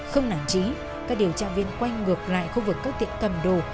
không nản trí các điều tra viên quay ngược lại khu vực các tiệm cầm đồ